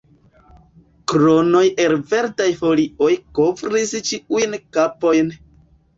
Kronoj el verdaj folioj kovris ĉiujn kapojn.